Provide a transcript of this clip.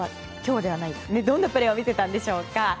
どんなプレーを見せたんでしょうか。